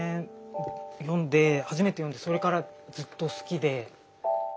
読んで初めて読んでそれからずっと好きで。